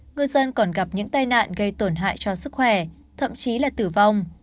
ngư dân còn gặp những tai nạn gây tổn hại cho sức khỏe thậm chí là tử vong